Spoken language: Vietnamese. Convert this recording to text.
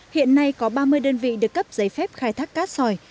hiện nay có ba mươi đơn vị được cấp giấy phép khai thác cát sỏi